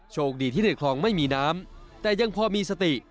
โชคดีที่ในคลองไม่มีน้ำแต่ยังพอมีสติ